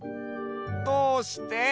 どうして？